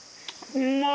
うんまい。